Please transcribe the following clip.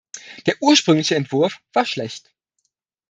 Der ursprüngliche Entwurf war schlecht.